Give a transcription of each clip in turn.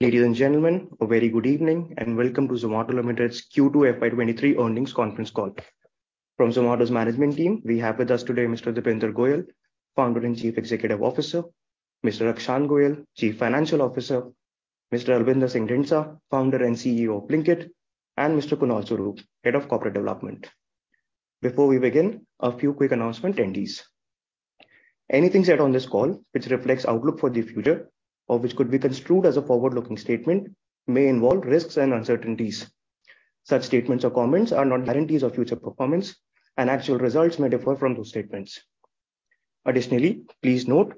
Ladies and gentlemen, a very good evening, and welcome to Zomato Limited's Q2 FY 2023 earnings conference call. From Zomato's management team, we have with us today, Mr. Deepinder Goyal, Founder and Chief Executive Officer, Mr. Akshant Goyal, Chief Financial Officer, Mr. Albinder Singh Dhindsa, Founder and CEO of Blinkit, and Mr. Kunal Swarup, Head of Corporate Development. Before we begin, a few quick announcements and disclaimers. Anything said on this call which reflects outlook for the future or which could be construed as a forward-looking statement, may involve risks and uncertainties. Such statements or comments are not guarantees of future performance, and actual results may differ from those statements. Additionally, please note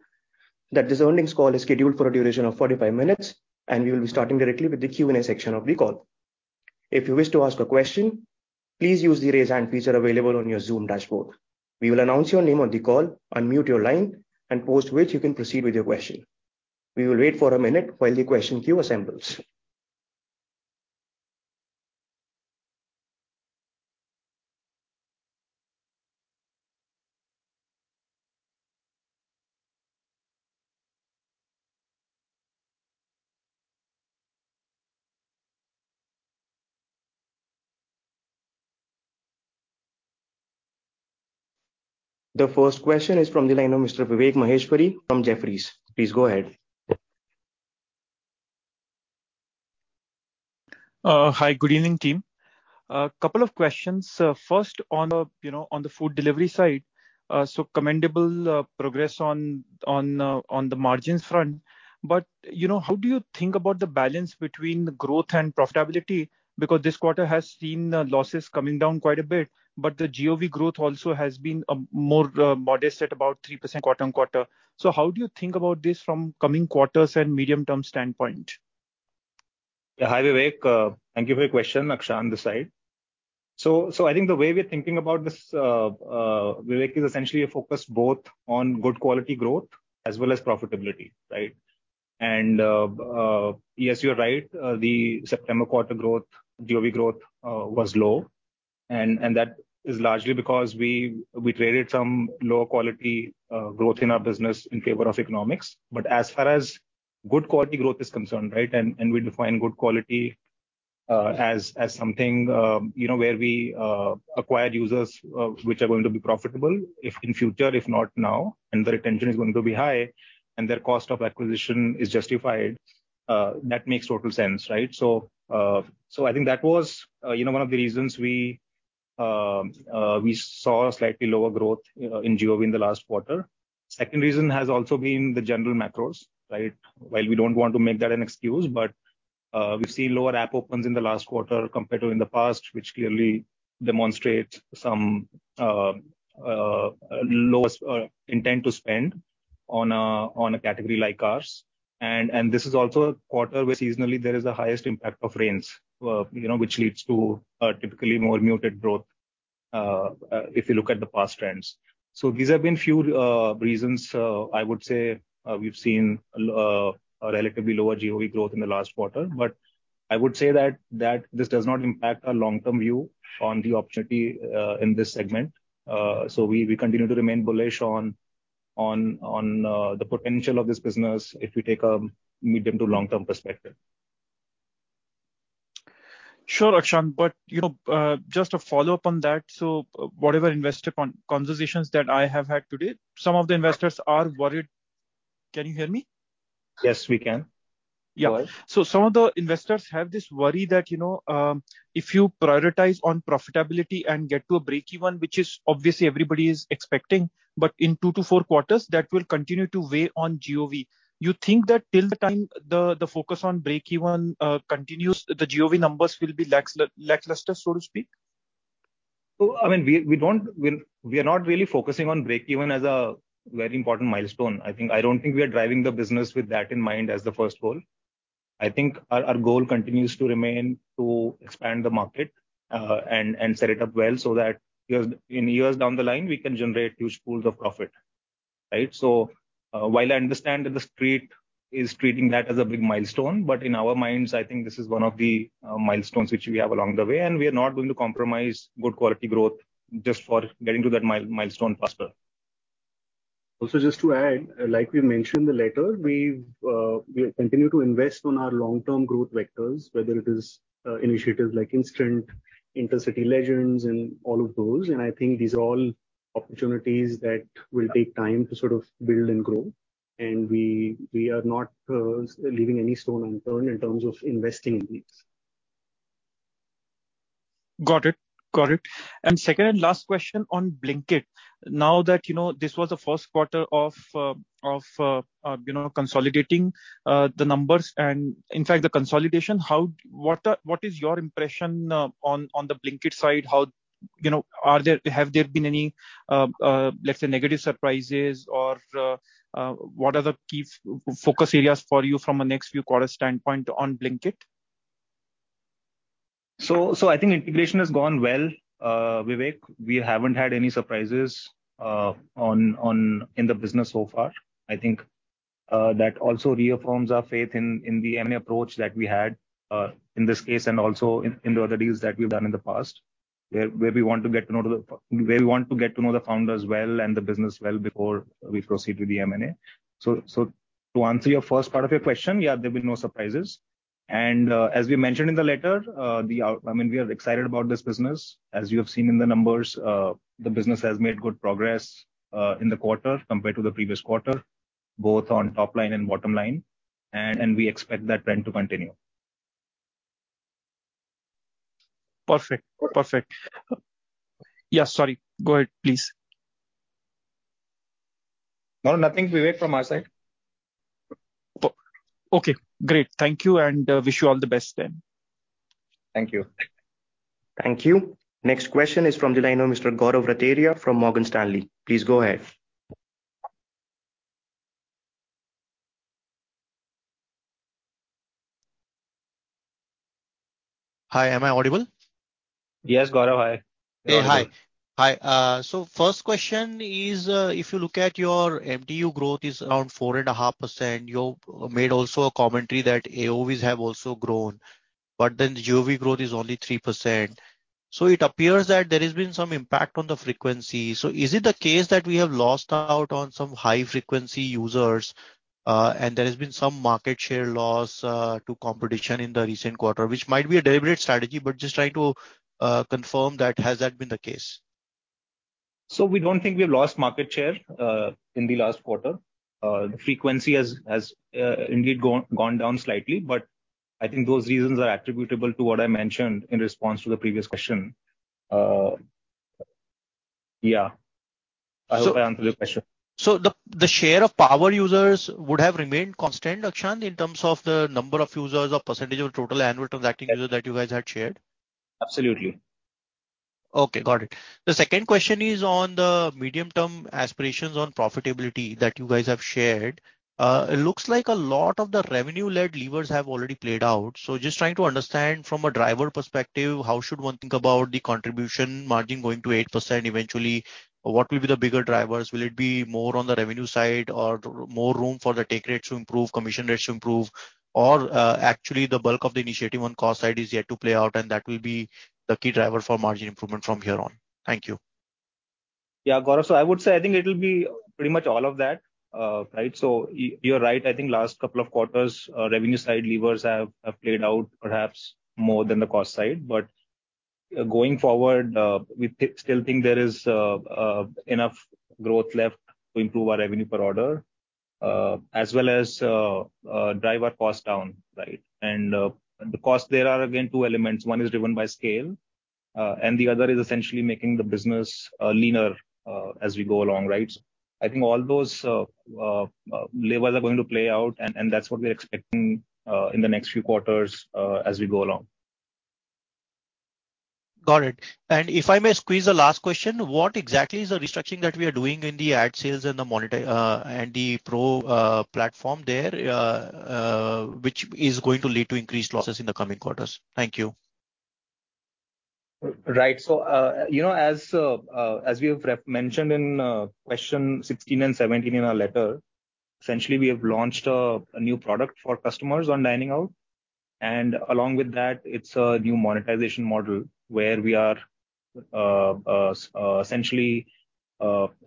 that this earnings call is scheduled for a duration of 45 minutes, and we will be starting directly with the Q&A section of the call. If you wish to ask a question, please use the Raise Hand feature available on your Zoom dashboard. We will announce your name on the call, unmute your line, and after which you can proceed with your question. We will wait for a minute while the question queue assembles. The first question is from the line of Mr. Vivek Maheshwari from Jefferies. Please go ahead. Hi, good evening, team. A couple of questions. First on, you know, on the food delivery side. Commendable progress on the margins front. You know, how do you think about the balance between growth and profitability? Because this quarter has seen losses coming down quite a bit, but the GOV growth also has been more modest at about 3% quarter-on-quarter. How do you think about this from coming quarters and medium-term standpoint? Yeah. Hi, Vivek. Thank you for your question. Akshant this side. I think the way we're thinking about this, Vivek, is essentially a focus both on good quality growth as well as profitability, right? Yes, you're right. The September quarter growth, GOV growth, was low and that is largely because we traded some lower quality growth in our business in favor of economics. As far as good quality growth is concerned, right, and we define good quality as something, you know, where we acquire users which are going to be profitable if in future, if not now, and the retention is going to be high and their cost of acquisition is justified, that makes total sense, right? I think that was, you know, one of the reasons we saw a slightly lower growth in GOV in the last quarter. Second reason has also been the general macros, right? While we don't want to make that an excuse, but we've seen lower app opens in the last quarter compared to in the past, which clearly demonstrates some lower intent to spend on a category like ours. This is also a quarter where seasonally there is the highest impact of rains, you know, which leads to typically more muted growth if you look at the past trends. These have been few reasons, I would say, we've seen a relatively lower GOV growth in the last quarter. I would say that this does not impact our long-term view on the opportunity in this segment. We continue to remain bullish on the potential of this business if we take a medium to long-term perspective. Sure, Akshant, but, you know, just a follow-up on that. Whatever investor conversations that I have had today, some of the investors are worried. Can you hear me? Yes, we can. Go ahead. Yeah. Some of the investors have this worry that, you know, if you prioritize on profitability and get to a breakeven, which is obviously everybody is expecting, but in two to four quarters, that will continue to weigh on GOV. You think that till the time the focus on breakeven continues, the GOV numbers will be lackluster, so to speak? I mean, we are not really focusing on breakeven as a very important milestone, I think. I don't think we are driving the business with that in mind as the first goal. I think our goal continues to remain to expand the market, and set it up well, so that in years down the line, we can generate huge pools of profit, right? While I understand that the street is treating that as a big milestone, but in our minds, I think this is one of the milestones which we have along the way, and we are not going to compromise good quality growth just for getting to that milestone faster. Also, just to add, like we mentioned in the letter, we continue to invest on our long-term growth vectors, whether it is initiatives like Zomato Instant, Intercity Legends and all of those. I think these are all opportunities that will take time to sort of build and grow. We are not leaving any stone unturned in terms of investing in these. Got it. Second and last question on Blinkit. Now that, you know, this was the first quarter of consolidating the numbers and in fact, the consolidation, what is your impression on the Blinkit side? How, you know, have there been any, let's say, negative surprises or what are the key focus areas for you from a next few quarters standpoint on Blinkit? I think integration has gone well, Vivek. We haven't had any surprises in the business so far. I think that also reaffirms our faith in the M&A approach that we had in this case and also in the other deals that we've done in the past, where we want to get to know the founders well and the business well before we proceed with the M&A. To answer your first part of your question, yeah, there'll be no surprises. As we mentioned in the letter, I mean, we are excited about this business. As you have seen in the numbers, the business has made good progress in the quarter compared to the previous quarter, both on top line and bottom line. We expect that trend to continue. Perfect. Yeah, sorry. Go ahead, please. No, nothing, Vivek, from our side. Okay, great. Thank you, and wish you all the best then. Thank you. Thank you. Next question is from the line of Mr. Gaurav Rateria from Morgan Stanley. Please go ahead. Hi, am I audible? Yes, Gaurav, hi. Yeah, hi. Hi. First question is, if you look at your MTU growth is around 4.5%. You made also a commentary that AOV have also grown. The GOV growth is only 3%. It appears that there has been some impact on the frequency. Is it the case that we have lost out on some high-frequency users, and there has been some market share loss to competition in the recent quarter? Which might be a deliberate strategy, but just trying to confirm that. Has that been the case? We don't think we lost market share in the last quarter. The frequency has indeed gone down slightly, but I think those reasons are attributable to what I mentioned in response to the previous question. Yeah. I hope I answered your question. The share of power users would have remained constant, Akshant, in terms of the number of users or percentage of total annual transacting users that you guys had shared. Absolutely. Okay, got it. The second question is on the medium-term aspirations on profitability that you guys have shared. It looks like a lot of the revenue-led levers have already played out. Just trying to understand from a driver perspective, how should one think about the contribution margin going to 8% eventually? What will be the bigger drivers? Will it be more on the revenue side or more room for the take rates to improve, commission rates to improve? Or, actually the bulk of the initiative on cost side is yet to play out and that will be the key driver for margin improvement from here on. Thank you. Yeah, Gaurav. I would say I think it'll be pretty much all of that. Right? You're right, I think last couple of quarters, revenue side levers have played out perhaps more than the cost side. Going forward, we still think there is enough growth left to improve our revenue per order as well as drive our cost down, right? The cost there are again two elements. One is driven by scale, and the other is essentially making the business leaner as we go along, right? I think all those levers are going to play out and that's what we're expecting in the next few quarters as we go along. Got it. If I may squeeze a last question, what exactly is the restructuring that we are doing in the ad sales and the Pro platform there, which is going to lead to increased losses in the coming quarters? Thank you. Right. You know, as we have mentioned in question 16 and 17 in our letter, essentially we have launched a new product for customers on dining out. Along with that, it's a new monetization model where we are essentially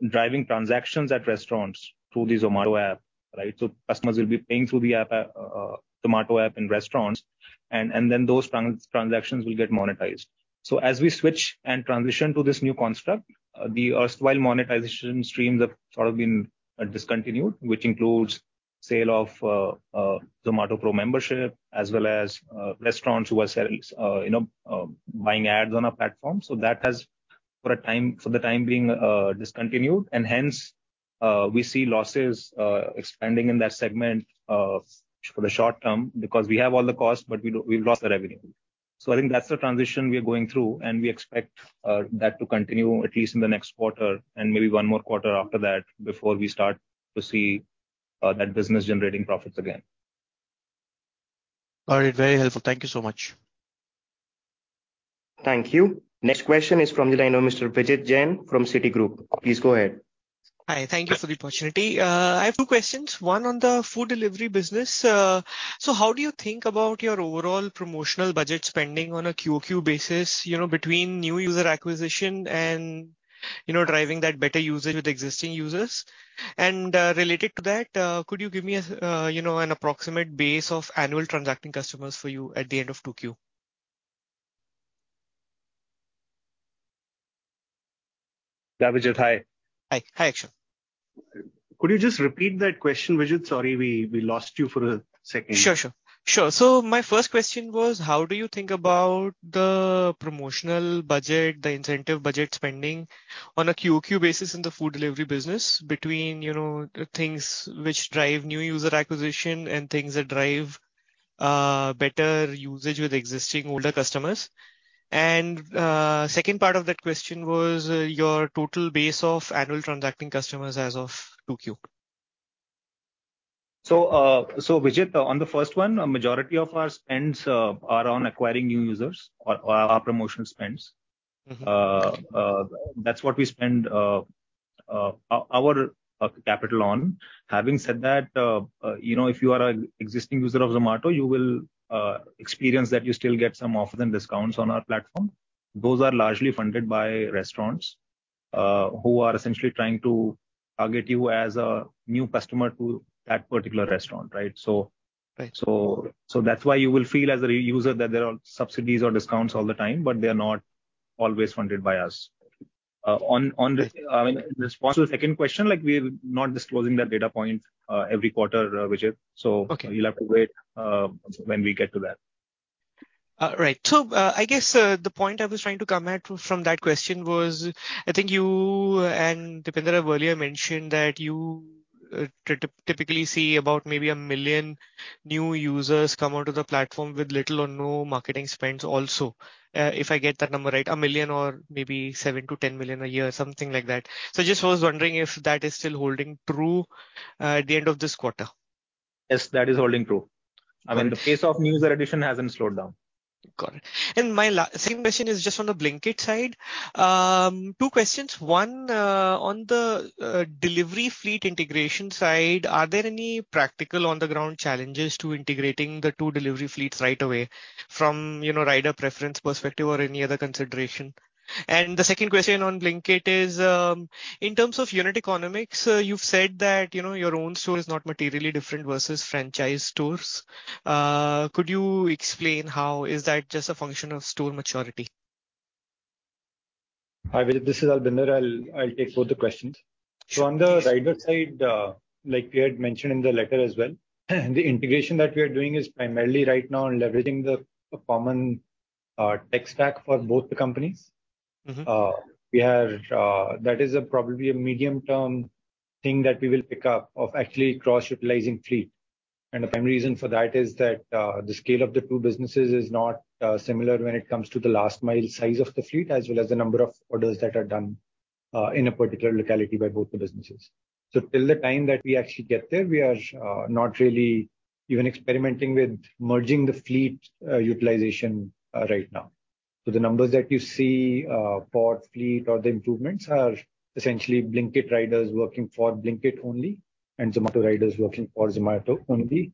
driving transactions at restaurants through the Zomato app, right? Customers will be paying through the Zomato app in restaurants, and then those transactions will get monetized. As we switch and transition to this new construct, the erstwhile monetization streams have sort of been discontinued, which includes sale of Zomato Pro membership, as well as restaurants who are, you know, buying ads on our platform. That has for a time, for the time being, discontinued, and hence, we see losses expanding in that segment for the short term, because we have all the costs, but we've lost the revenue. I think that's the transition we are going through, and we expect that to continue at least in the next quarter and maybe one more quarter after that before we start to see that business generating profits again. All right. Very helpful. Thank you so much. Thank you. Next question is from the line of Mr. Vijit Jain from Citigroup. Please go ahead. Hi. Thank you for the opportunity. I have two questions, one on the food delivery business. So how do you think about your overall promotional budget spending on a QoQ basis, you know, between new user acquisition and, you know, driving that better usage with existing users? Related to that, could you give me a, you know, an approximate base of annual transacting customers for you at the end of Q2? Yeah, Vijit. Hi. Hi. Hi, Akshant. Could you just repeat that question, Vijit? Sorry, we lost you for a second. Sure. My first question was, how do you think about the promotional budget, the incentive budget spending on a QoQ basis in the food delivery business between, you know, things which drive new user acquisition and things that drive better usage with existing older customers? Second part of that question was, your total base of annual transacting customers as of Q2. Vijit, on the first one, a majority of our spends are on acquiring new users or our promotional spends. Mm-hmm. That's what we spend our capital on. Having said that, you know, if you are an existing user of Zomato, you will experience that you still get some offers and discounts on our platform. Those are largely funded by restaurants who are essentially trying to target you as a new customer to that particular restaurant, right? Right. That's why you will feel as a regular user that there are subsidies or discounts all the time, but they are not always funded by us. I mean, in response to the second question, like, we're not disclosing that data point every quarter, Vijit. Okay. You'll have to wait until when we get to that. Right. I guess the point I was trying to get at from that question was, I think you and Deepinder have earlier mentioned that you typically see about maybe 1 million new users come onto the platform with little or no marketing spends also. If I get that number right, 1 million or maybe 7 million-10 million a year, something like that. I just was wondering if that is still holding true at the end of this quarter. Yes, that is holding true. I mean, the pace of new user addition hasn't slowed down. Got it. Second question is just on the Blinkit side. Two questions. One, on the delivery fleet integration side, are there any practical on-the-ground challenges to integrating the two delivery fleets right away from, you know, rider preference perspective or any other consideration? Second question on Blinkit is, in terms of unit economics, you've said that, you know, your own store is not materially different versus franchise stores. Could you explain how is that just a function of store maturity? Hi, Vijit, this is Albinder. I'll take both the questions. On the rider side, like we had mentioned in the letter as well, the integration that we are doing is primarily right now on leveraging a common tech stack for both the companies. Mm-hmm. That is probably a medium-term thing that we will pick up on actually cross-utilizing fleet. The prime reason for that is that the scale of the two businesses is not similar when it comes to the last mile size of the fleet, as well as the number of orders that are done in a particular locality by both the businesses. So, until the time that we actually get there, we are not really even experimenting with merging the fleet utilization right now. The numbers that you see for fleet or the improvements are essentially Blinkit riders working for Blinkit only and Zomato riders working for Zomato only.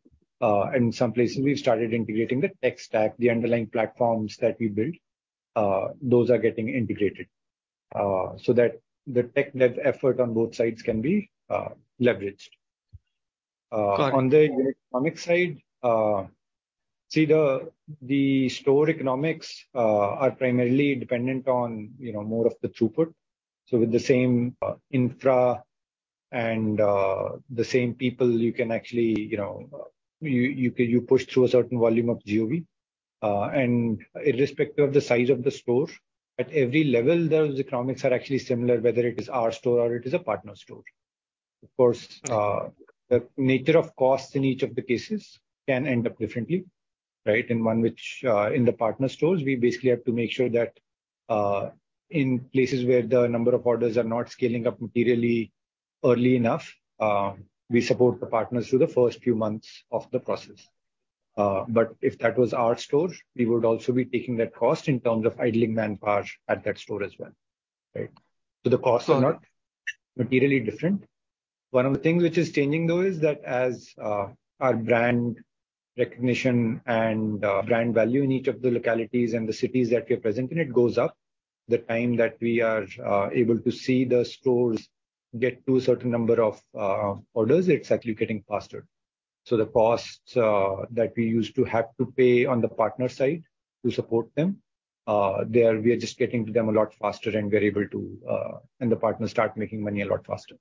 In some places we've started integrating the tech stack, the underlying platforms that we build, those are getting integrated, so that the tech dev effort on both sides can be leveraged. Got it. On the unit economic side, the store economics are primarily dependent on, you know, more of the throughput. With the same infra and the same people, you can actually, you know, you push through a certain volume of GOV, and irrespective of the size of the store, at every level the economics are actually similar, whether it is our store or it is a partner store. Of course, the nature of costs in each of the cases can end up differently, right? In one which in the partner stores, we basically have to make sure that in places where the number of orders are not scaling up materially early enough, we support the partners through the first few months of the process. If that was our store, we would also be taking that cost in terms of idling manpower at that store as well, right? The costs are not materially different. One of the things which is changing though is that as our brand recognition and brand value in each of the localities and the cities that we're present in, it goes up, the time that we are able to see the stores get to a certain number of orders, it's actually getting faster. The costs that we used to have to pay on the partner side to support them, we are just getting to them a lot faster, and the partners start making money a lot faster.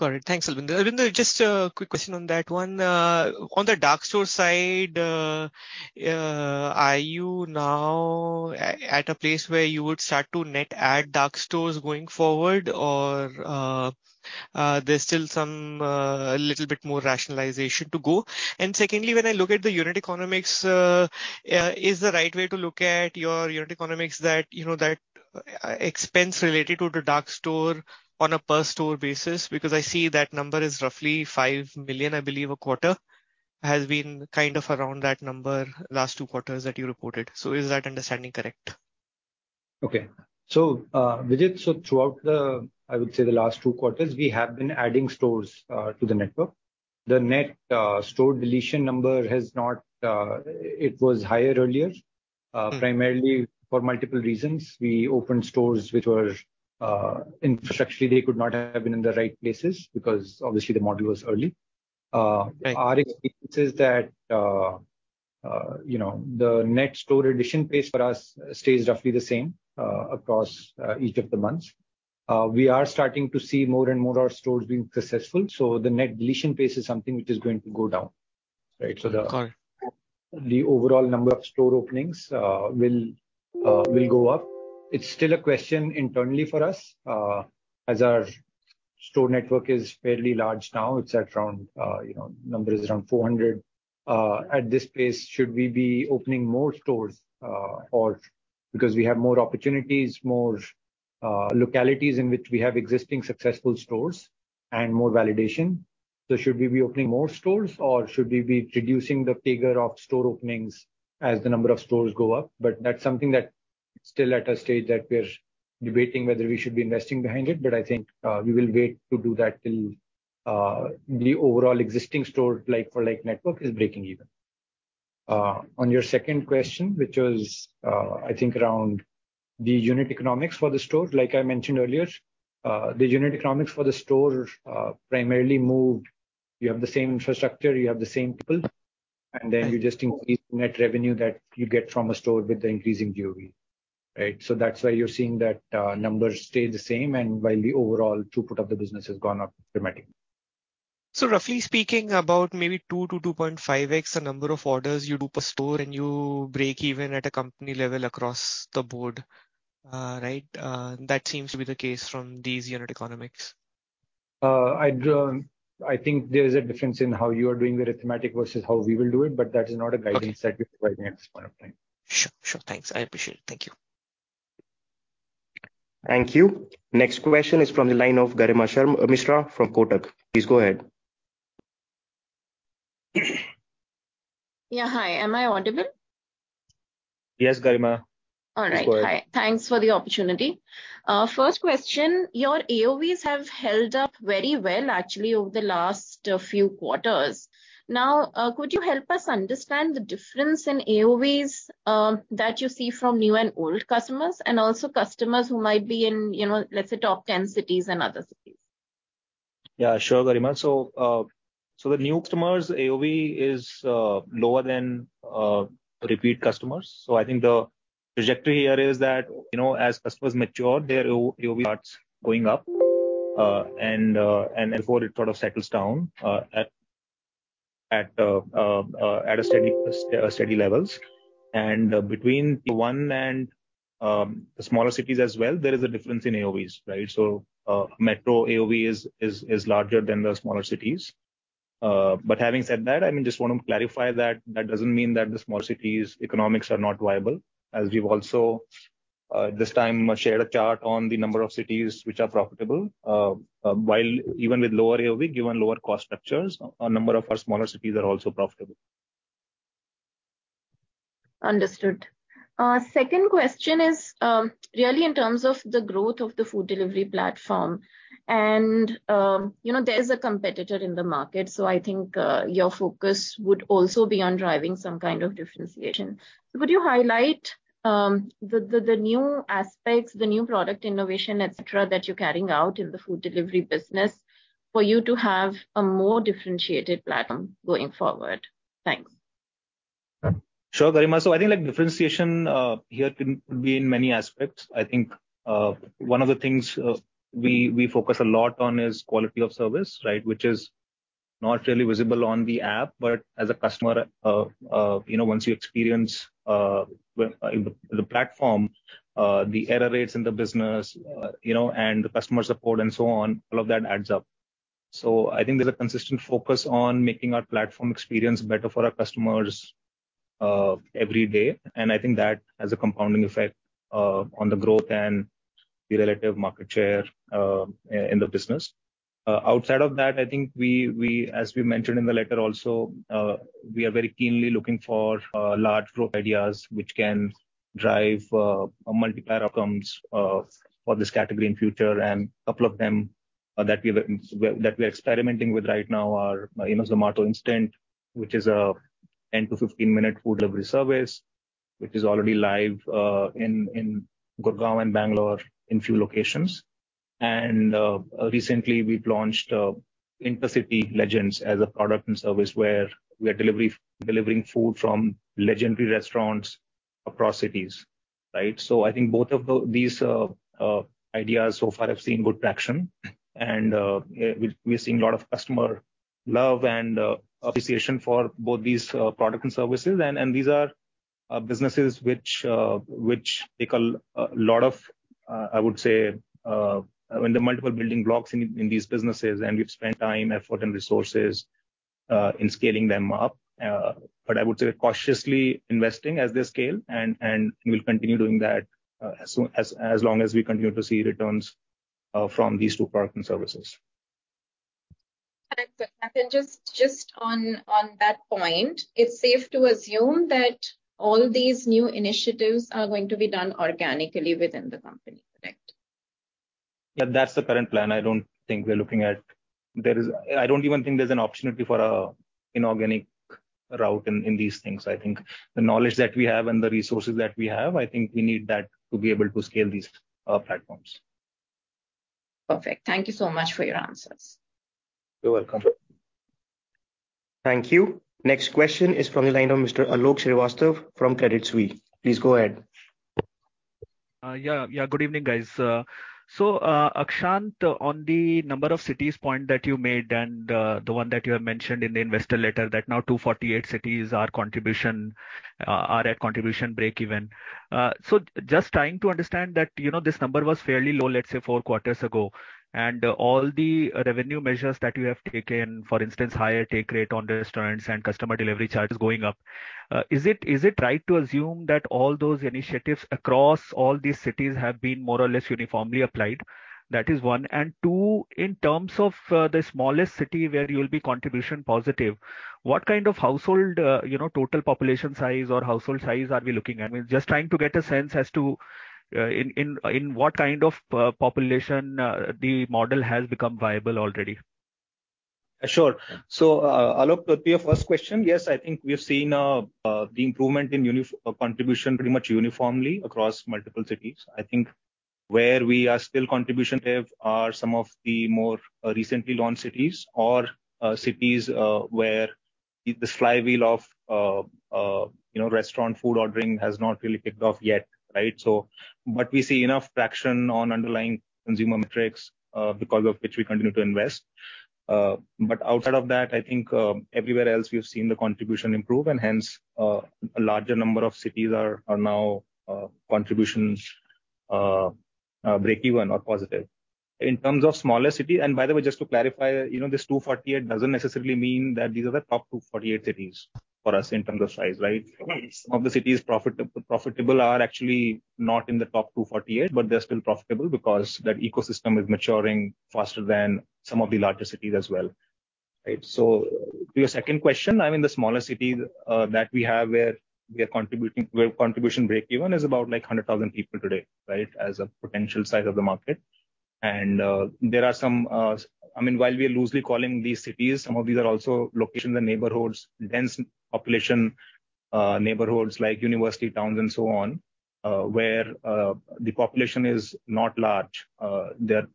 Got it. Thanks, Albinder. Albinder, just a quick question on that one. On the dark store side, are you now at a place where you would start to net add dark stores going forward or, there's still some, a little bit more rationalization to go? Secondly, when I look at the unit economics, is the right way to look at your unit economics that, you know, expense related to the dark store on a per store basis? Because I see that number is roughly 5 million, I believe a quarter, has been kind of around that number last two quarters that you reported. Is that understanding correct? Vijit, so throughout the, I would say the last two quarters, we have been adding stores to the network. The net store deletion number has not. It was higher earlier. Mm-hmm. Primarily for multiple reasons. We opened stores which were infrastructure, they could not have been in the right places because obviously the model was early. Right. Our experience is that, you know, the net store addition pace for us stays roughly the same, across each of the months. We are starting to see more and more our stores being successful, so the net deletion pace is something which is going to go down, right? Got it. The overall number of store openings will go up. It's still a question internally for us, as our store network is fairly large now, it's at around, you know, number is around 400. At this pace, should we be opening more stores, or because we have more opportunities, more localities in which we have existing successful stores? More validation. Should we be opening more stores or should we be reducing the figure of store openings as the number of stores go up? That's something that's still at a stage that we're debating whether we should be investing behind it, but I think, we will wait to do that till the overall existing store like for like network is breaking even. On your second question, which was, I think around the unit economics for the stores. Like I mentioned earlier, the unit economics for the stores, primarily moved. You have the same infrastructure, you have the same people, and then you just increase net revenue that you get from a store with the increasing GOV. Right? That's why you're seeing that, numbers stay the same, and while the overall throughput of the business has gone up dramatically. Roughly speaking about maybe 2x-2.5x the number of orders you do per store and you break even at a company level across the board. Right? That seems to be the case from these unit economics. I think there is a difference in how you are doing the arithmetic versus how we will do it, but that is not a guidance. Okay. that we provide at this point in time. Sure. Thanks, I appreciate it. Thank you. Thank you. Next question is from the line of Garima Mishra from Kotak. Please go ahead. Yeah, hi. Am I audible? Yes, Garima. Please go ahead. All right. Hi. Thanks for the opportunity. First question, your AOVs have held up very well actually over the last few quarters. Now, could you help us understand the difference in AOVs that you see from new and old customers, and also customers who might be in, you know, let's say top 10 cities and other cities? Yeah, sure, Garima. The new customers AOV is lower than repeat customers. I think the trajectory here is that, you know, as customers mature their AOV starts going up, and therefore it sort of settles down at a steady levels. Between one and the smaller cities as well, there is a difference in AOVs, right? Metro AOV is larger than the smaller cities. Having said that, I mean, just wanna clarify that that doesn't mean that the small cities economics are not viable, as we've also this time shared a chart on the number of cities which are profitable. While even with lower AOV, given lower cost structures, a number of our smaller cities are also profitable. Understood. Second question is really in terms of the growth of the food delivery platform and, you know, there is a competitor in the market, so I think your focus would also be on driving some kind of differentiation. Would you highlight the new aspects, the new product innovation, et cetera, that you're carrying out in the food delivery business for you to have a more differentiated platform going forward? Thanks. Sure, Garima. I think like differentiation here could be in many aspects. I think one of the things we focus a lot on is quality of service, right? Which is not really visible on the app, but as a customer you know once you experience the platform the error rates in the business you know and the customer support and so on, all of that adds up. I think there's a consistent focus on making our platform experience better for our customers every day, and I think that has a compounding effect on the growth and the relative market share in the business. Outside of that, I think we, as we mentioned in the letter also, we are very keenly looking for large growth ideas which can drive multiplier outcomes for this category in future. Couple of them that we're experimenting with right now are, you know, Zomato Instant, which is a 10-15 minute food delivery service, which is already live in Gurgaon and Bangalore in few locations. Recently we've launched Intercity Legends as a product and service where we are delivering food from legendary restaurants across cities, right? I think both of these ideas so far have seen good traction and we're seeing a lot of customer love and appreciation for both these product and services. These are businesses which take a lot of, I would say, the multiple building blocks in these businesses and we've spent time, effort, and resources in scaling them up. We're cautiously investing as they scale and we'll continue doing that as long as we continue to see returns from these two products and services. Just on that point, it's safe to assume that all these new initiatives are going to be done organically within the company, correct? Yeah, that's the current plan. I don't even think there's an opportunity for an inorganic route in these things. I think the knowledge that we have and the resources that we have, I think we need that to be able to scale these platforms. Perfect. Thank you so much for your answers. You're welcome. Thank you. Next question is from the line of Mr. Alok Srivastava from Credit Suisse. Please go ahead. Good evening, guys. Yeah, yeah. Akshant, on the number of cities point that you made and the one that you have mentioned in the investor letter that now 248 cities are at contribution breakeven. Just trying to understand that, you know, this number was fairly low, let's say four quarters ago, and all the revenue measures that you have taken, for instance, higher take rate on restaurants and customer delivery charges going up. Is it right to assume that all those initiatives across all these cities have been more or less uniformly applied? That is one. Two, in terms of the smallest city where you'll be contribution positive, what kind of household, you know, total population size or household size are we looking at? I mean, just trying to get a sense as to, in what kind of population, the model has become viable already. Sure. Alok, to your first question, yes, I think we have seen the improvement in contribution pretty much uniformly across multiple cities. I think where we are still contribution negative are some of the more recently launched cities or cities where this flywheel of you know restaurant food ordering has not really kicked off yet, right? We see enough traction on underlying consumer metrics because of which we continue to invest. Outside of that, I think everywhere else we've seen the contribution improve and hence a larger number of cities are now contributions breakeven or positive. In terms of smaller cities and by the way, just to clarify, you know, this 248 doesn't necessarily mean that these are the top 248 cities for us in terms of size, right? Right. Some of the cities profitable are actually not in the top 248, but they're still profitable because that ecosystem is maturing faster than some of the larger cities as well. Right. So to your second question, I mean, the smallest city that we have where we are contributing, where contribution breakeven is about like 100,000 people today, right? As a potential size of the market. There are some, I mean, while we are loosely calling these cities, some of these are also locations and neighborhoods, dense population neighborhoods like university towns and so on, where the population is not large. They're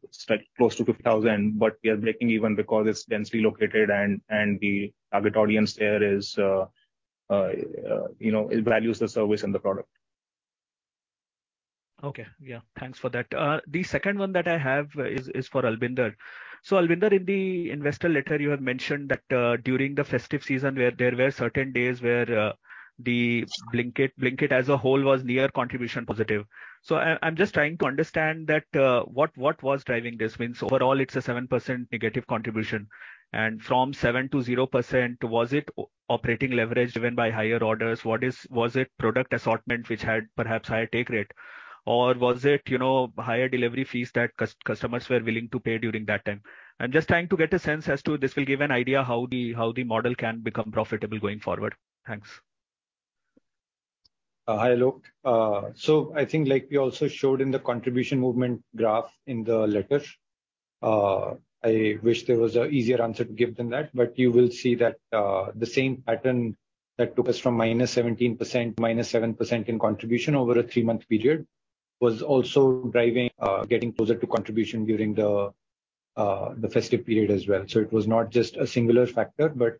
close to 50,000, but we are breaking even because it's densely located and the target audience there is, you know, it values the service and the product. Okay. Yeah, thanks for that. The second one that I have is for Albinder. Albinder, in the investor letter you had mentioned that, during the festive season where there were certain days where, the Blinkit as a whole was near contribution positive. I'm just trying to understand that, what was driving this? Means overall it's a 7% negative contribution, and from 7% to 0% was it operating leverage driven by higher orders? Was it product assortment which had perhaps higher take rate? Or was it, you know, higher delivery fees that customers were willing to pay during that time? I'm just trying to get a sense as to this will give an idea how the model can become profitable going forward. Thanks. Hi, Alok. I think like we also showed in the contribution movement graph in the letter, I wish there was an easier answer to give than that. You will see that the same pattern that took us from -17%, -7% in contribution over a three-month period was also driving getting closer to contribution during the festive period as well. It was not just a singular factor, but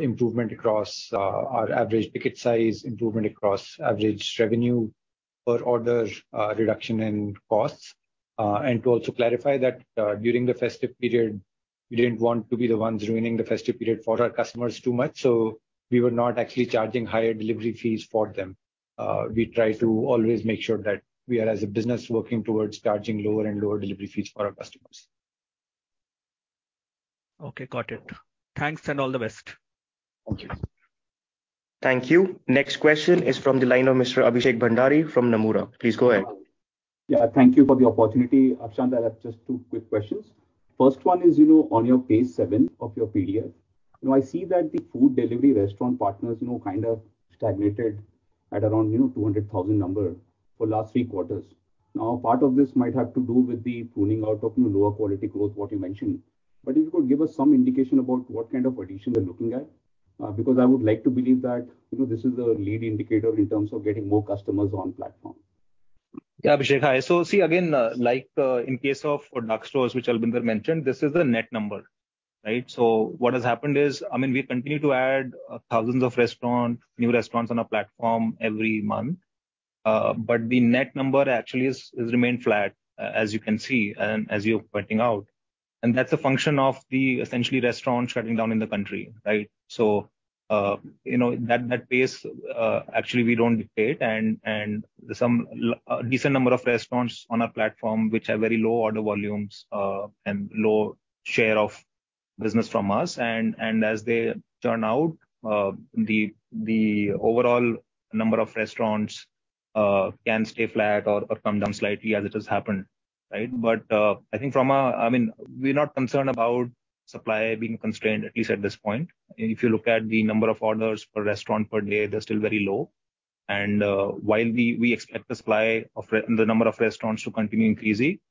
improvement across our average ticket size, improvement across average revenue per order, reduction in costs. And to also clarify that, during the festive period, we didn't want to be the ones ruining the festive period for our customers too much, so we were not actually charging higher delivery fees for them. We try to always make sure that we are, as a business, working towards charging lower and lower delivery fees for our customers. Okay, got it. Thanks and all the best. Thank you. Thank you. Next question is from the line of Mr. Abhishek Bhandari from Nomura. Please go ahead. Yeah, thank you for the opportunity. Akshant, I have just two quick questions. First one is, you know, on your page seven of your PDF. You know, I see that the food delivery restaurant partners, you know, kind of stagnated at around, you know, 200,000 number for last three quarters. Now, part of this might have to do with the pruning out of, you know, lower quality growth what you mentioned. But if you could give us some indication about what kind of addition you're looking at, because I would like to believe that, you know, this is a lead indicator in terms of getting more customers on platform. Yeah, Abhishek. Hi. See again, in case of dark stores, which Albinder mentioned, this is the net number, right? What has happened is, I mean, we continue to add thousands of restaurants, new restaurants on our platform every month. The net number actually has remained flat, as you can see and as you're pointing out, and that's a function of the essentially restaurants shutting down in the country, right? You know, that pace, actually we don't dictate and a decent number of restaurants on our platform, which have very low order volumes, and low share of business from us. And as they churn out, the overall number of restaurants can stay flat or come down slightly as it has happened, right? I think from a I mean, we're not concerned about supply being constrained, at least at this point. If you look at the number of orders per restaurant per day, they're still very low. While we expect the number of restaurants to continue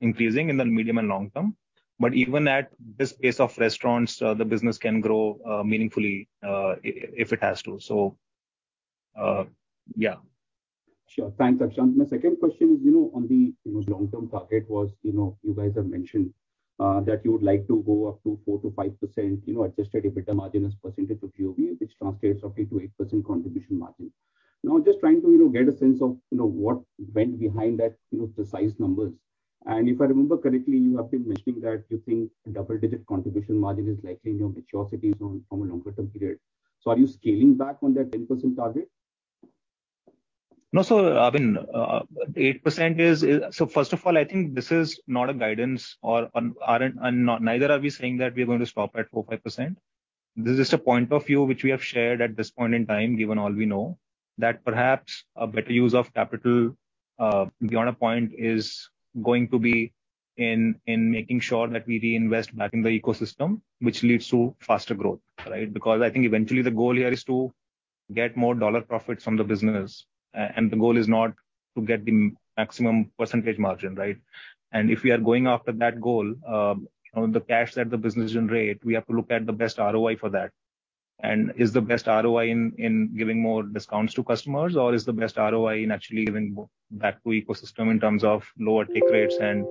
increasing in the medium and long term, but even at this pace of restaurants, the business can grow meaningfully, if it has to. Yeah. Sure. Thanks, Akshant. My second question is, you know, on the, you know, long-term target was, you know, you guys have mentioned, that you would like to go up to 4%-5%, you know, Adjusted EBITDA margin as a percentage of GOV, which translates roughly to 8% contribution margin. Now, just trying to, you know, get a sense of, you know, what's behind that, you know, precise numbers. If I remember correctly, you have been mentioning that you think a double-digit contribution margin is likely in your maturities from a longer-term period. Are you scaling back on that 10% target? No, sir. I mean, 8% is. First of all, I think this is not a guidance, neither are we saying that we are going to stop at 4%-5%. This is just a point of view which we have shared at this point in time, given all we know. That perhaps a better use of capital, beyond a point, is going to be in making sure that we reinvest back in the ecosystem, which leads to faster growth, right? Because I think eventually the goal here is to get more dollar profits from the business. The goal is not to get the maximum percentage margin, right? If we are going after that goal, you know, the cash that the business generate, we have to look at the best ROI for that. Is the best ROI in giving more discounts to customers or is the best ROI in actually giving back to ecosystem in terms of lower take rates and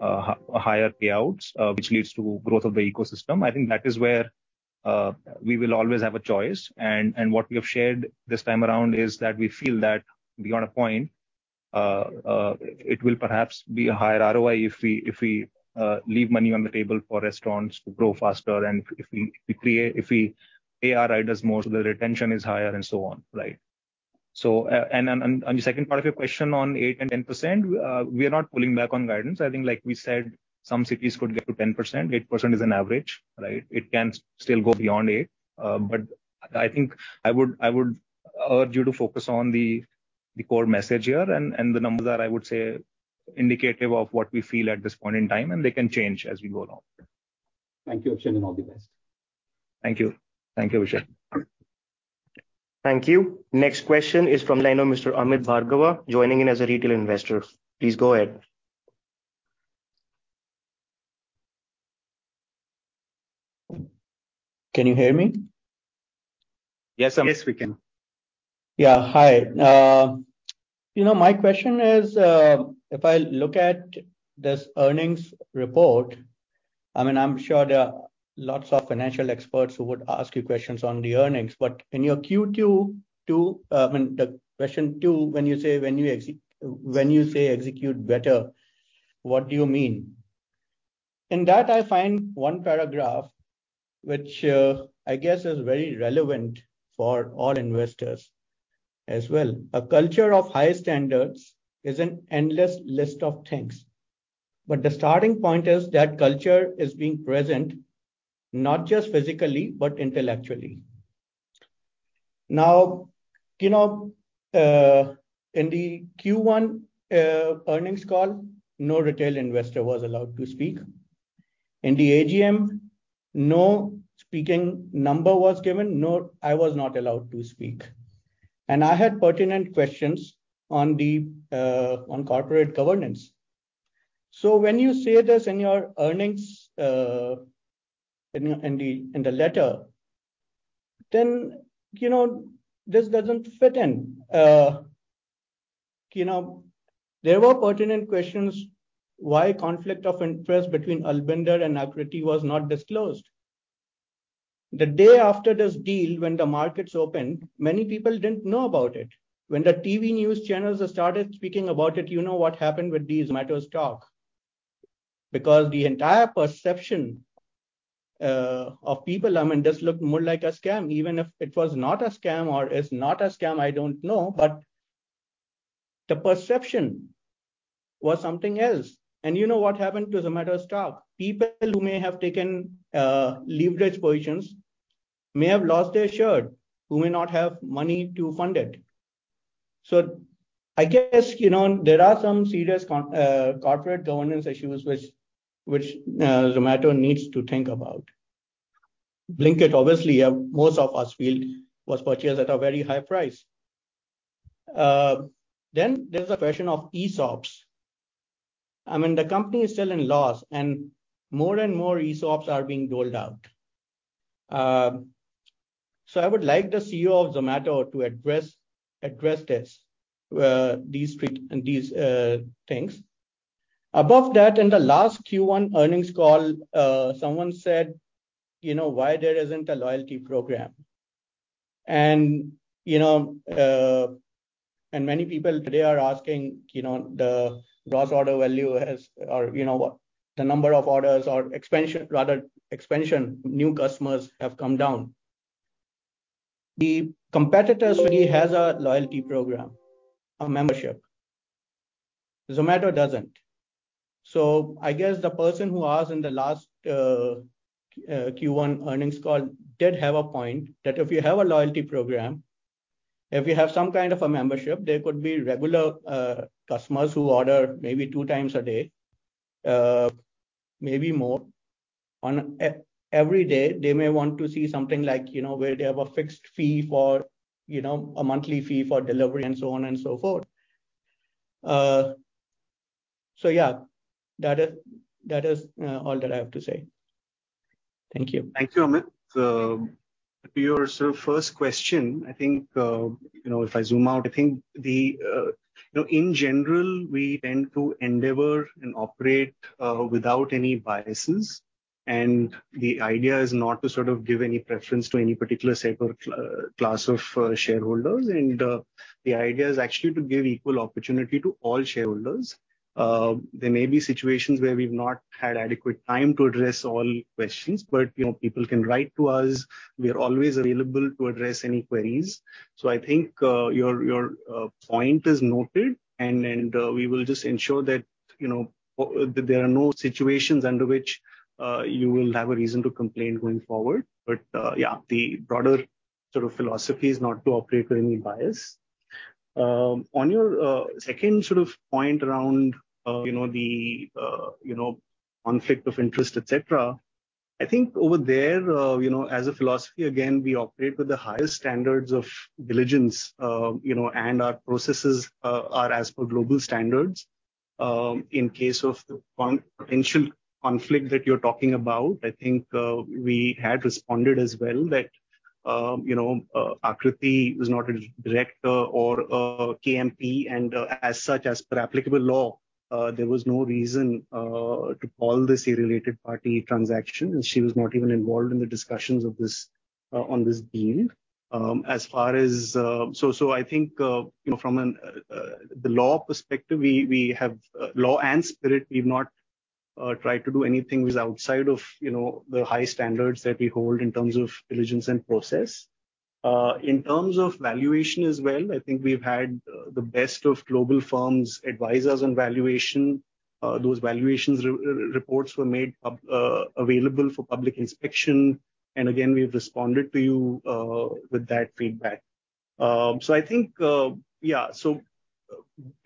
higher payouts, which leads to growth of the ecosystem. I think that is where we will always have a choice. What we have shared this time around is that we feel that beyond a point, it will perhaps be a higher ROI if we leave money on the table for restaurants to grow faster and if we pay our riders more so their retention is higher and so on, right? On the second part of your question on 8% and 10%, we are not pulling back on guidance. I think like we said, some cities could get to 10%. 8% is an average, right? It can still go beyond 8%. But I think I would urge you to focus on the core message here and the numbers are, I would say, indicative of what we feel at this point in time, and they can change as we go along. Thank you, Akshant, and all the best. Thank you. Thank you, Abhishek. Thank you. Next question is from the line of Mr. Amit Bhargava, joining in as a retail investor. Please go ahead. Can you hear me? Yes. Yes, we can. Yeah. Hi. You know, my question is, if I look at this earnings report, I mean, I'm sure there are lots of financial experts who would ask you questions on the earnings, but in your Q2 too, the question two, when you say execute better, what do you mean? In that I find one paragraph which, I guess is very relevant for all investors as well. A culture of high standards is an endless list of things, but the starting point is that culture is being present, not just physically but intellectually. Now, you know, in the Q1, earnings call, no retail investor was allowed to speak. In the AGM, no speaking number was given. No, I was not allowed to speak. I had pertinent questions on the, on corporate governance. When you say this in your earnings, in the letter, then, you know, this doesn't fit in. You know, there were pertinent questions why conflict of interest between Albinder and Aakriti was not disclosed. The day after this deal, when the markets opened, many people didn't know about it. When the TV news channels started speaking about it, you know what happened with the Zomato stock. Because the entire perception of people, I mean, this looked more like a scam. Even if it was not a scam or is not a scam, I don't know, but the perception was something else. You know what happened to Zomato's stock. People who may have taken leveraged positions may have lost their shirt, who may not have money to fund it. I guess, you know, there are some serious corporate governance issues which Zomato needs to think about. Blinkit, obviously, most of us feel was purchased at a very high price. Then there's a question of ESOPs. I mean, the company is still in loss, and more and more ESOPs are being doled out. I would like the CEO of Zomato to address this, these three and these things. Above that, in the last Q1 earnings call, someone said, you know, "Why there isn't a loyalty program?" You know, and many people today are asking, you know, the gross order value has, or, you know, the number of orders or expansion, rather expansion, new customers have come down. The competitor already has a loyalty program, a membership. Zomato doesn't. I guess the person who asked in the last Q1 earnings call did have a point that if you have a loyalty program, if you have some kind of a membership, there could be regular customers who order maybe two times a day, maybe more. On every day, they may want to see something like, you know, where they have a fixed fee for, you know, a monthly fee for delivery and so on and so forth. Yeah, that is all that I have to say. Thank you. Thank you, Amit. To your sort of first question, I think, you know, if I zoom out, I think, you know, in general, we tend to endeavor and operate without any biases. The idea is not to sort of give any preference to any particular sector, class of shareholders. The idea is actually to give equal opportunity to all shareholders. There may be situations where we've not had adequate time to address all questions, but, you know, people can write to us. We are always available to address any queries. I think your point is noted, and we will just ensure that, you know, that there are no situations under which you will have a reason to complain going forward. Yeah, the broader sort of philosophy is not to operate with any bias. On your second sort of point around, you know, the, you know, conflict of interest, et cetera, I think over there, you know, as a philosophy, again, we operate with the highest standards of diligence, you know, and our processes are as per global standards. In case of the potential conflict that you're talking about, I think we had responded as well that, you know, Akriti was not a director or a KMP, and, as such, as per applicable law, there was no reason to call this a related party transaction, and she was not even involved in the discussions of this on this deal. As far as... I think you know, from a legal perspective, we have letter and spirit, we've not tried to do anything which is outside of you know, the high standards that we hold in terms of diligence and process. In terms of valuation as well, I think we've had the best of global firms, advisors, and valuation. Those valuations reports were made publicly available for public inspection. Again, we've responded to you with that feedback. I think yeah.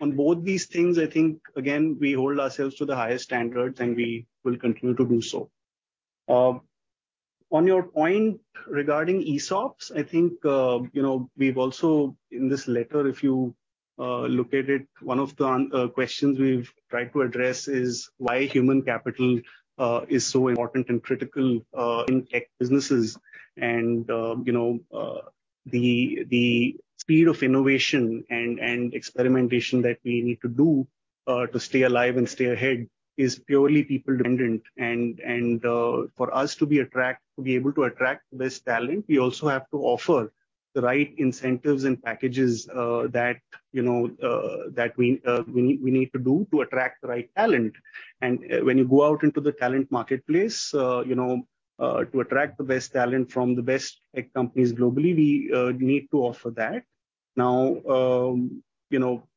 On both these things, I think, again, we hold ourselves to the highest standards, and we will continue to do so. On your point regarding ESOPs, I think, you know, we've also, in this letter, if you look at it, one of the questions we've tried to address is why human capital is so important and critical in tech businesses. You know, the speed of innovation and experimentation that we need to do to stay alive and stay ahead is purely people dependent. For us to be able to attract the best talent, we also have to offer the right incentives and packages that, you know, that we need to do to attract the right talent. When you go out into the talent marketplace, you know, to attract the best talent from the best tech companies globally, we need to offer that. Now, you know,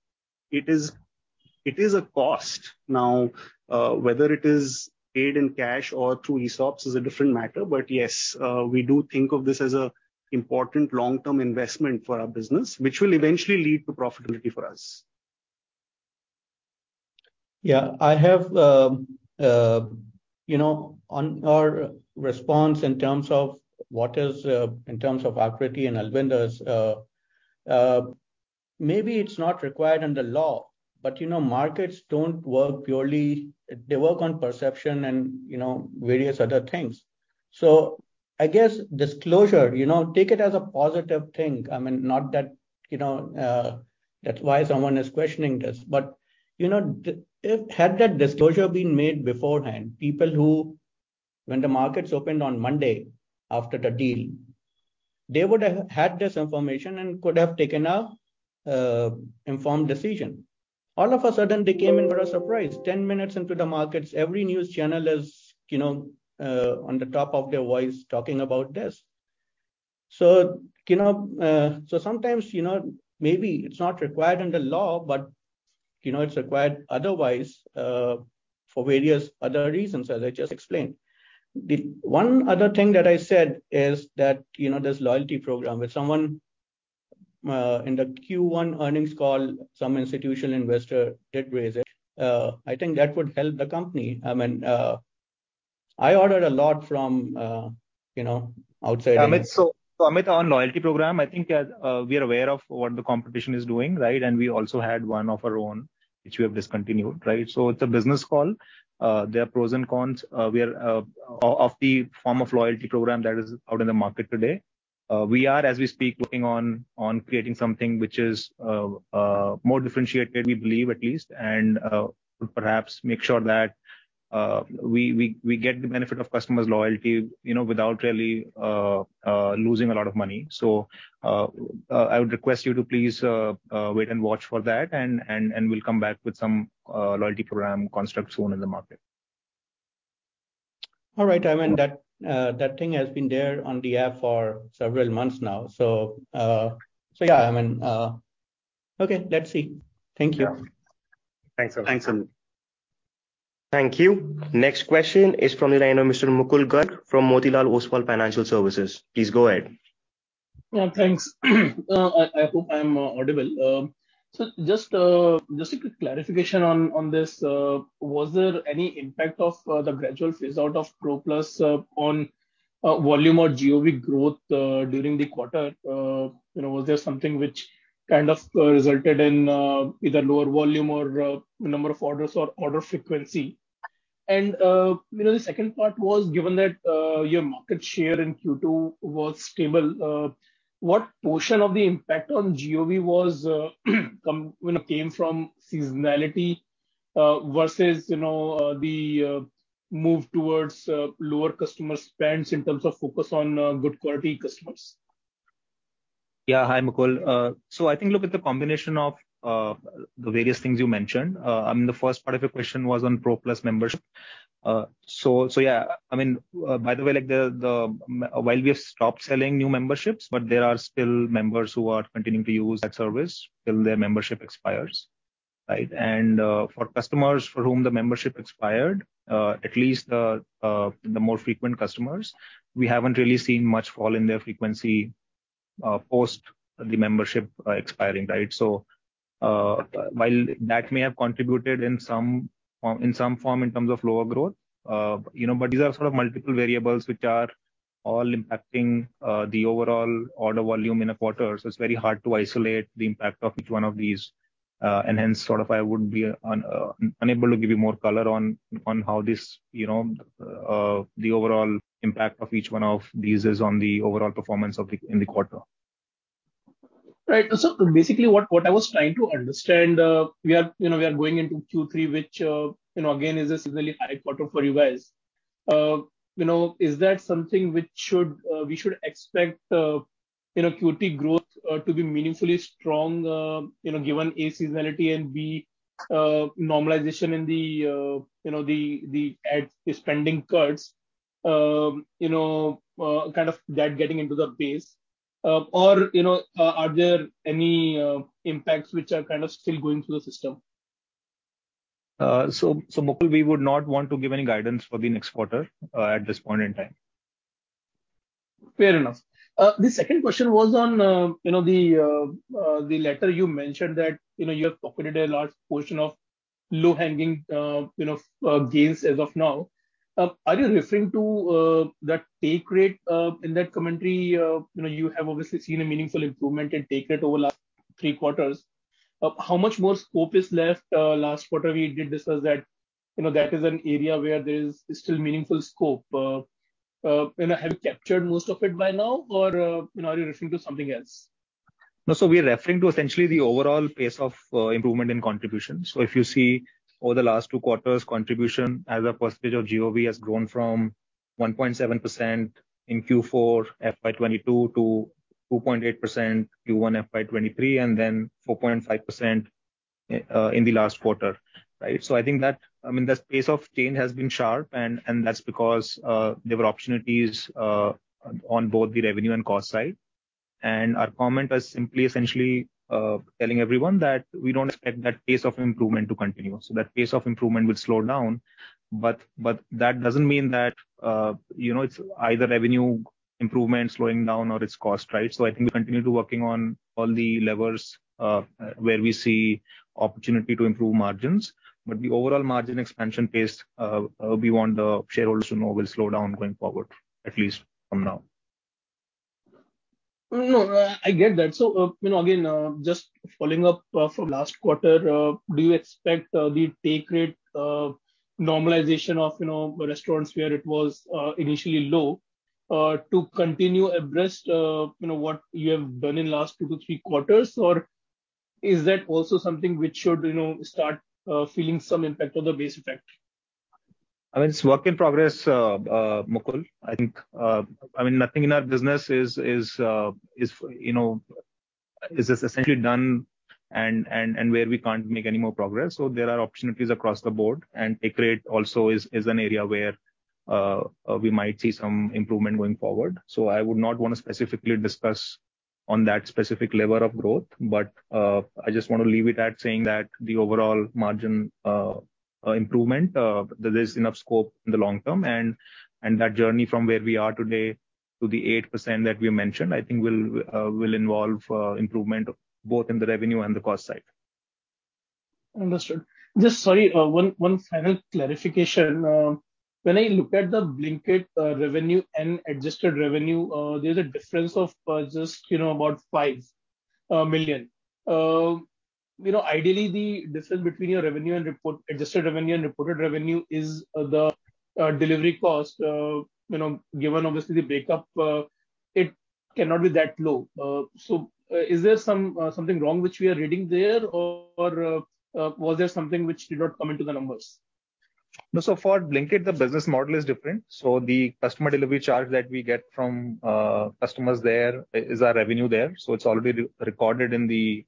it is a cost. Now, whether it is paid in cash or through ESOPs is a different matter. Yes, we do think of this as an important long-term investment for our business, which will eventually lead to profitability for us. Yeah. I have, you know, on our response in terms of Akriti and Albinder's, maybe it's not required under law, but, you know, markets don't work purely. They work on perception and, you know, various other things. I guess disclosure, you know, take it as a positive thing. I mean, not that, you know, that's why someone is questioning this. You know, if had that disclosure been made beforehand, people who, when the markets opened on Monday after the deal, they would have had this information and could have taken an informed decision. All of a sudden they came in for a surprise. 10 minutes into the markets, every news channel is, you know, at the top of their voices talking about this. You know, sometimes, you know, maybe it's not required under law, but, you know, it's required otherwise, for various other reasons, as I just explained. The one other thing that I said is that, you know, this loyalty program with someone, in the Q1 earnings call, some institutional investor did raise it. I think that would help the company. I mean, I ordered a lot from, you know, outside- Amit, on loyalty program, I think we are aware of what the competition is doing, right? We also had one of our own, which we have discontinued, right? It's a business call. There are pros and cons of the form of loyalty program that is out in the market today. We are, as we speak, working on creating something which is more differentiated, we believe at least, and perhaps make sure that we get the benefit of customers' loyalty, you know, without really losing a lot of money. I would request you to please wait and watch for that and we'll come back with some loyalty program constructs soon in the market. All right. I mean, that thing has been there on the app for several months now. Yeah, I mean, okay, let's see. Thank you. Yeah. Thanks, Amit. Thanks, Amit. Thank you. Next question is from the line of Mr. Mukul Garg from Motilal Oswal Financial Services. Please go ahead. Yeah, thanks. I hope I'm audible. So just a quick clarification on this. Was there any impact of the gradual phase out of Pro Plus on volume or GOV growth during the quarter, you know, was there something which kind of resulted in either lower volume or number of orders or order frequency? You know, the second part was, given that your market share in Q2 was stable, what portion of the impact on GOV was, you know, came from seasonality versus, you know, the move towards lower customer spends in terms of focus on good quality customers? Hi, Mukul. I think look at the combination of the various things you mentioned. I mean, the first part of your question was on Pro Plus membership. So yeah, I mean, by the way, like, meanwhile we have stopped selling new memberships, but there are still members who are continuing to use that service till their membership expires, right? For customers for whom the membership expired, at least the more frequent customers, we haven't really seen much fall in their frequency post the membership expiring, right? While that may have contributed in some form in terms of lower growth, you know, but these are sort of multiple variables which are all impacting the overall order volume in a quarter, so it's very hard to isolate the impact of each one of these. Hence sort of I would be unable to give you more color on how this, you know, the overall impact of each one of these is on the overall performance in the quarter. Right. Basically what I was trying to understand, we are, you know, we are going into Q3 which, you know, again, is a seasonally high quarter for you guys. You know, is that something which we should expect, you know, Q3 growth to be meaningfully strong, you know, given, A, seasonality and, B, normalization in the, you know, the ad spending cuts, you know, kind of that getting into the base? Or, you know, are there any impacts which are kind of still going through the system? Mukul, we would not want to give any guidance for the next quarter, at this point in time. Fair enough. The second question was on, you know, the letter you mentioned that, you know, you have pocketed a large portion of low-hanging, you know, gains as of now. Are you referring to that take rate in that commentary, you know, you have obviously seen a meaningful improvement in take rate over last three quarters. How much more scope is left? Last quarter we did discuss that, you know, that is an area where there is still meaningful scope. You know, have you captured most of it by now or, you know, are you referring to something else? No. We are referring to essentially the overall pace of improvement in contribution. If you see over the last two quarters, contribution as a percentage of GOV has grown from 1.7% in Q4 FY 2022 to 2.8% Q1 FY 2023, and then 4.5% in the last quarter, right? I think that, I mean, the pace of change has been sharp and that's because there were opportunities on both the revenue and cost side. Our comment was simply essentially telling everyone that we don't expect that pace of improvement to continue. That pace of improvement will slow down, but that doesn't mean that you know, it's either revenue improvement slowing down or it's cost, right? I think we'll continue to working on all the levers, where we see opportunity to improve margins. The overall margin expansion pace, we want the shareholders to know will slow down going forward, at least from now. No, no, I get that. You know, again, just following up from last quarter, do you expect the take rate normalization of, you know, restaurants where it was initially low to continue abreast you know what you have done in last two to three quarters? Or is that also something which should, you know, start feeling some impact on the base effect? I mean, it's work in progress, Mukul. I think, I mean, nothing in our business is, you know, just essentially done and where we can't make any more progress. There are opportunities across the board, and take rate also is an area where we might see some improvement going forward. I would not wanna specifically discuss on that specific lever of growth, but I just wanna leave it at saying that the overall margin improvement, there is enough scope in the long term. That journey from where we are today to the 8% that we mentioned, I think will involve improvement both in the revenue and the cost side. Understood. Just sorry, one final clarification. When I look at the Blinkit revenue and adjusted revenue, there's a difference of just, you know, about 5 million. You know, ideally the difference between adjusted revenue and reported revenue is the delivery cost. You know, given obviously the breakup, it cannot be that low. Is there some something wrong which we are reading there? Was there something which did not come into the numbers? No. For Blinkit, the business model is different. The customer delivery charge that we get from customers there is our revenue there, so it's already recorded in the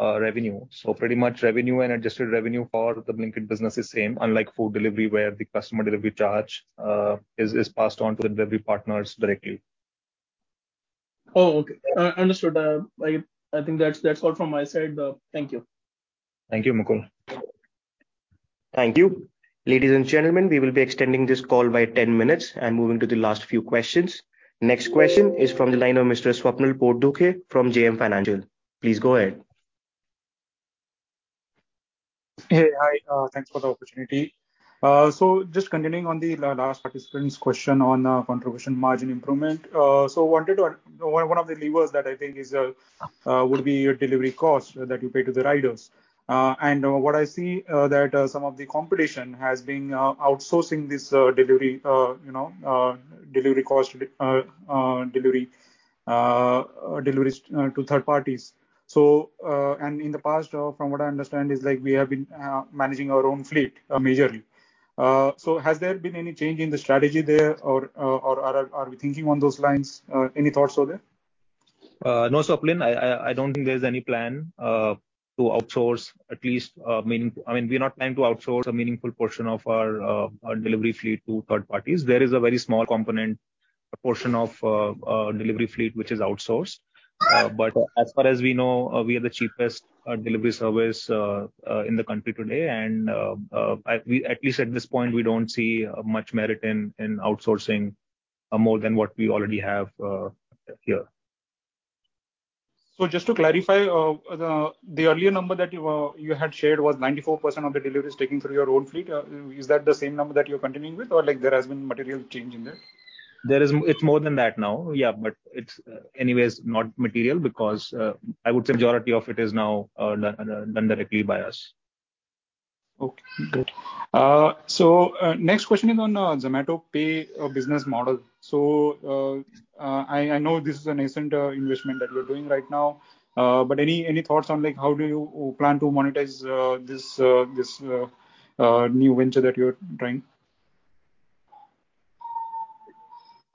revenue. Pretty much revenue and adjusted revenue for the Blinkit business is same, unlike food delivery, where the customer delivery charge is passed on to the delivery partners directly. Oh, okay. Understood. I think that's all from my side. Thank you. Thank you, Mukul. Thank you. Ladies and gentlemen, we will be extending this call by 10 minutes and moving to the last few questions. Next question is from the line of Mr. Swapnil Potdukhe from JM Financial. Please go ahead. Hey. Hi, thanks for the opportunity. Just continuing on the last participant's question on contribution margin improvement. Wanted to add one of the levers that I think is would be your delivery cost that you pay to the riders. And what I see that some of the competition has been outsourcing this delivery you know delivery cost delivery deliveries to third parties. In the past from what I understand is like we have been managing our own fleet majorly. Has there been any change in the strategy there or are we thinking on those lines? Any thoughts over there? No, Swapnil. I don't think there's any plan to outsource. I mean, we're not planning to outsource a meaningful portion of our delivery fleet to third parties. There is a very small component, a portion of our delivery fleet which is outsourced. As far as we know, we are the cheapest delivery service in the country today. At least at this point, we don't see much merit in outsourcing more than what we already have here. Just to clarify, the earlier number that you had shared was 94% of the deliveries taken through your own fleet. Is that the same number that you're continuing with, or like there has been material change in that? It's more than that now. Yeah, but it's anyways not material because I would say majority of it is now done directly by us. Okay, good. Next question is on Zomato Pay business model. I know this is a nascent investment that you're doing right now. Any thoughts on like how do you plan to monetize this new venture that you're trying?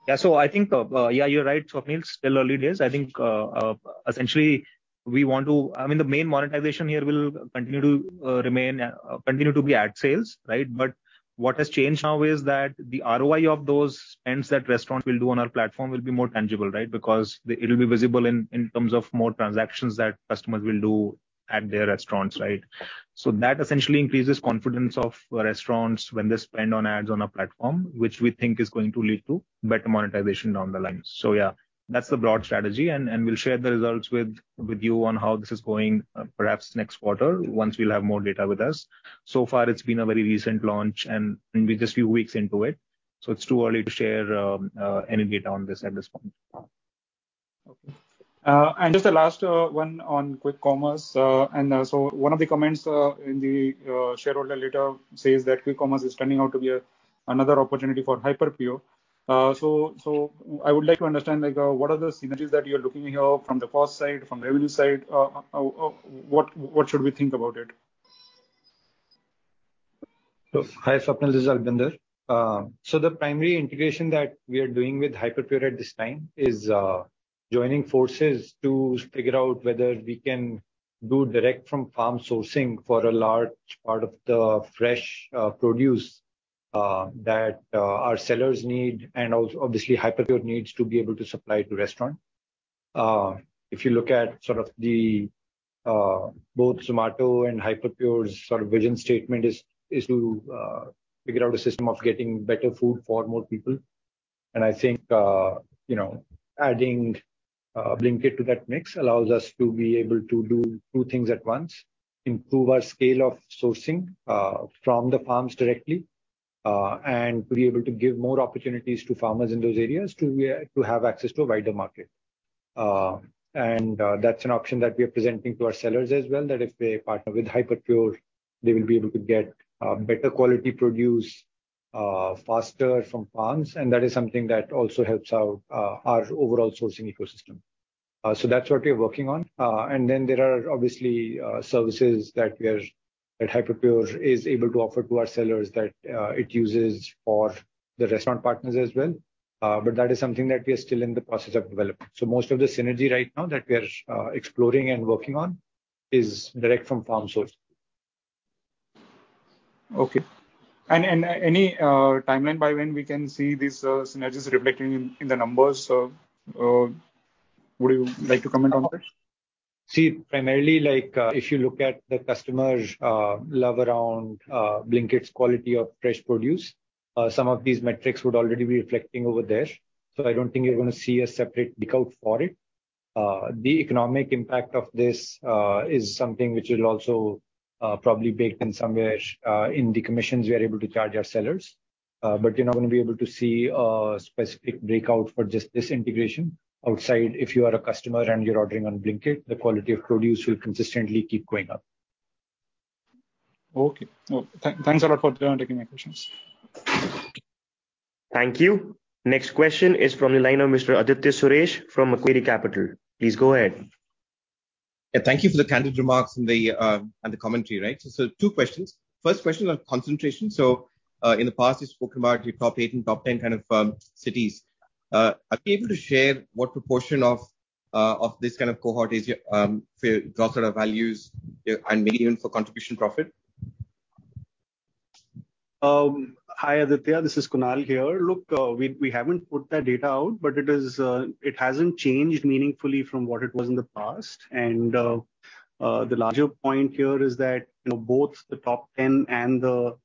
Yeah. I think, yeah, you're right, Swapnil. Still early days. I think, essentially I mean, the main monetization here will continue to be ad sales, right? But what has changed now is that the ROI of those ads that restaurants will do on our platform will be more tangible, right? Because it'll be visible in terms of more transactions that customers will do at their restaurants, right? That essentially increases confidence of restaurants when they spend on ads on our platform, which we think is going to lead to better monetization down the line. Yeah, that's the broad strategy and we'll share the results with you on how this is going, perhaps next quarter once we have more data with us. So far it's been a very recent launch and we're just a few weeks into it, so it's too early to share any data on this at this point. Okay. Just the last one on quick commerce. One of the comments in the shareholder letter says that quick commerce is turning out to be another opportunity for Hyperpure. I would like to understand, like, what are the synergies that you're looking here from the cost side, from the revenue side, what should we think about it? Hi, Swapnil. This is Albinder. The primary integration that we are doing with Hyperpure at this time is joining forces to figure out whether we can do direct from farm sourcing for a large part of the fresh produce that our sellers need and obviously, Hyperpure needs to be able to supply to restaurant. If you look at sort of the both Zomato and Hyperpure's sort of vision statement is to figure out a system of getting better food for more people. I think you know, adding Blinkit to that mix allows us to be able to do two things at once, improve our scale of sourcing from the farms directly and to be able to give more opportunities to farmers in those areas to have access to a wider market. That's an option that we are presenting to our sellers as well, that if they partner with Hyperpure, they will be able to get better quality produce faster from farms. That is something that also helps out our overall sourcing ecosystem. That's what we're working on. There are obviously services that Hyperpure is able to offer to our sellers that it uses for the restaurant partners as well. That is something that we are still in the process of developing. Most of the synergy right now that we are exploring and working on is direct from farm source. Okay. Any timeline by when we can see these synergies reflecting in the numbers? Would you like to comment on that? See, primarily like, if you look at the customers' love around Blinkit's quality of fresh produce, some of these metrics would already be reflecting over there. I don't think you're gonna see a separate breakout for it. The economic impact of this is something which will also probably baked in somewhere, in the commissions we are able to charge our sellers. You're not gonna be able to see a specific breakout for just this integration outside. If you are a customer and you're ordering on Blinkit, the quality of produce will consistently keep going up. Okay. Well, thanks a lot for taking my questions. Thank you. Next question is from the line of Mr. Aditya Suresh from Macquarie Capital. Please go ahead. Yeah. Thank you for the candid remarks and the commentary. Right. Two questions. First question on concentration. In the past, you've spoken about your top eight and top 10 kind of cities. Are you able to share what proportion of this kind of cohort is your GOV, AOV and margin for contribution profit? Hi, Aditya. This is Kunal here. Look, we haven't put that data out, but it is, it hasn't changed meaningfully from what it was in the past. The larger point here is that, you know, both the top ten and the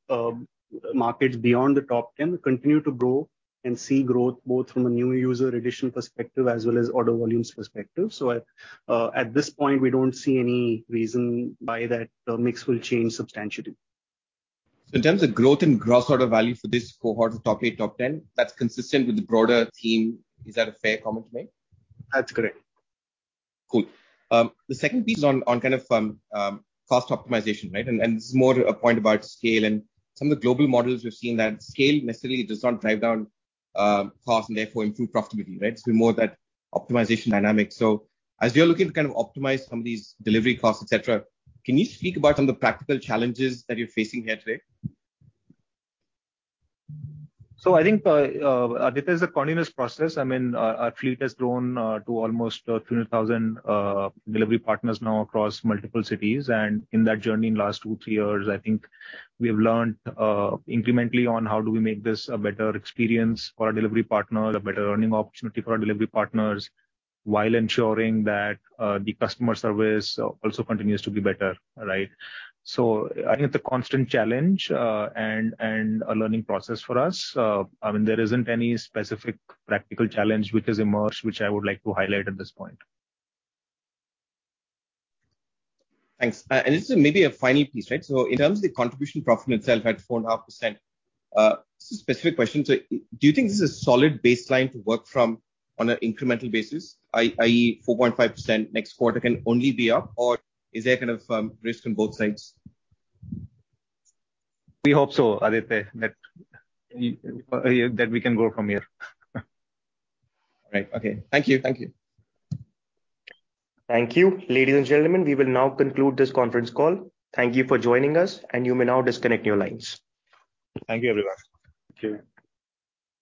markets beyond the top ten continue to grow and see growth both from a new user addition perspective as well as order volumes perspective. At this point, we don't see any reason why that mix will change substantially. In terms of growth and gross order value for this cohort of top eight, top 10, that's consistent with the broader theme. Is that a fair comment to make? That's correct. Cool. The second piece on kind of cost optimization, right? And this is more a point about scale and some of the global models we've seen that scale necessarily does not drive down costs and therefore improve profitability, right? More that optimization dynamic. As you are looking to kind of optimize some of these delivery costs, et cetera, can you speak about some of the practical challenges that you're facing here today? I think, Aditya, it's a continuous process. I mean, our fleet has grown to almost 200,000 delivery partners now across multiple cities. In that journey in last two, three years, I think we have learned incrementally on how do we make this a better experience for our delivery partner, a better earning opportunity for our delivery partners, while ensuring that the customer service also continues to be better, right? I think it's a constant challenge, and a learning process for us. I mean, there isn't any specific practical challenge which has emerged, which I would like to highlight at this point. Thanks. This is maybe a final piece, right? In terms of the contribution profit itself at 4.5%, this is a specific question. Do you think this is a solid baseline to work from on an incremental basis, i.e., 4.5% next quarter can only be up or is there kind of, risk on both sides? We hope so, Aditya, that we can grow from here. All right. Okay. Thank you. Thank you. Thank you. Ladies and gentlemen, we will now conclude this conference call. Thank you for joining us and you may now disconnect your lines. Thank you everyone. Thank you.